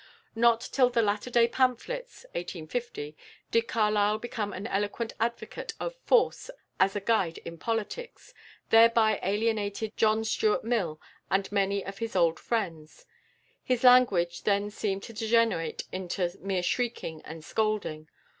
Not till the "Latter day Pamphlets" (1850) did Carlyle become an eloquent advocate of "force" as a guide in politics, thereby alienating John Stuart Mill and many of his old friends. His language then seemed to degenerate into mere shrieking and scolding.